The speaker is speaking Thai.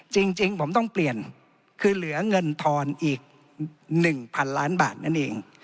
จริงผมต้องเปลี่ยนคือเหลือเงินทอนอีก๑๐๐๐ล้านบาทนั่นเอง